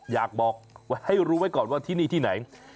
อยากบอกให้รู้ไว้ก่อนว่าที่นี่ที่ไหน